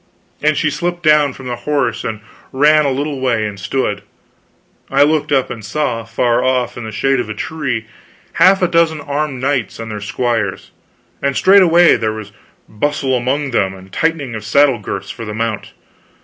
And she slipped down from the horse and ran a little way and stood. I looked up and saw, far off in the shade of a tree, half a dozen armed knights and their squires; and straightway there was bustle among them and tightening of saddle girths for the mount.